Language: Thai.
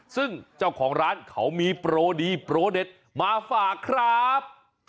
ซึ่งเจ้าของร้านเขามีโปรดีโปรเด็ดมาฝากครับ